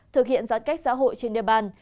thực hiện giãn cách xã hội trên địa bàn